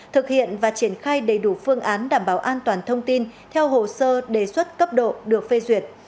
thực hiện và triển khai đầy đủ phương án đảm bảo an toàn thông tin theo hồ sơ đề xuất cấp độ được phê duyệt